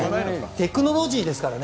テクノロジーですからね。